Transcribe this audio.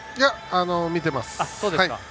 見てます。